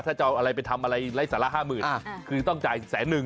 ถ้าจะเอาอะไรไปทำอะไรไร้สาระห้าหมื่นคือต้องจ่ายแสนนึง